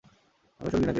আমি এসব লীনাকে বলিনি।